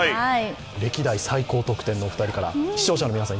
歴代最高得点のお二人から視聴者の皆さんに